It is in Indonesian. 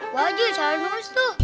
bu haji salah nulis tuh